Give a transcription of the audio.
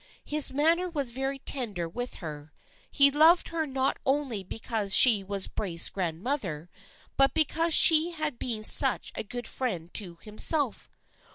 His manner was very tender with her. He loved her not only because she was Braith's grandmother, but because she had been such a good friend to himself.